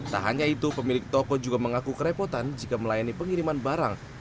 tak hanya itu pemilik toko juga mengaku kerepotan jika melayani pengiriman barang